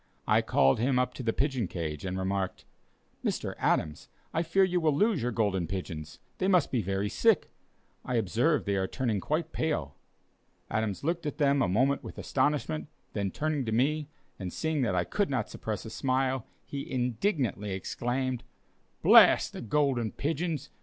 I called him up to the pigeon cage, and remarked: "Mr. Adams, I fear you will lose your Golden Pigeons; they must be very sick; I observe they are turning quite pale." Adams looked at them a moment with astonishment, then turning to me, and seeing that I could not suppress a smile, he indignantly exclaimed: "Blast the Golden Pigeons!